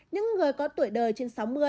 những người có tuổi đời trên sáu mươi